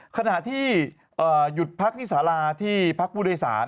ขณะที่หยุดพรรคนิสาราที่พรรคภูเดศาน